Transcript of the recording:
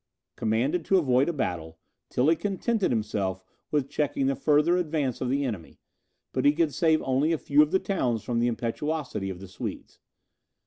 Commanded to avoid a battle, Tilly contented himself with checking the farther advance of the enemy; but he could save only a few of the towns from the impetuosity of the Swedes.